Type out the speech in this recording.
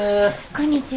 こんにちは。